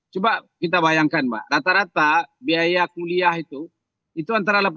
coba kita bayangkan mbak rata rata biaya kuliah itu itu antara delapan puluh